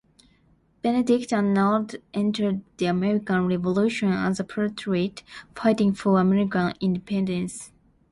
Benedict Arnold entered the American Revolution as a patriot fighting for American independence.